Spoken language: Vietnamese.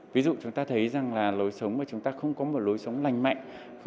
ví dụ chúng ta thấy rằng là lối sống mà chúng ta không có một lối sống lành mạnh